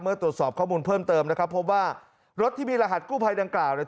ตรวจสอบข้อมูลเพิ่มเติมนะครับพบว่ารถที่มีรหัสกู้ภัยดังกล่าวเนี่ย